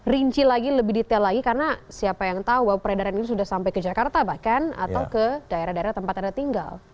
rinci lagi lebih detail lagi karena siapa yang tahu bahwa peredaran ini sudah sampai ke jakarta bahkan atau ke daerah daerah tempat anda tinggal